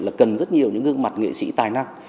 là cần rất nhiều những gương mặt nghệ sĩ tài năng